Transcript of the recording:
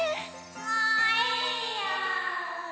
もういいよ。